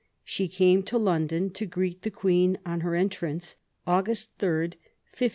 She came to London to greet the Queen on her entrance, August 3, 1553.